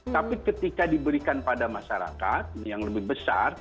tapi ketika diberikan pada masyarakat yang lebih besar